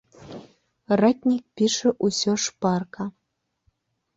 Ратнік піша усё шпарка.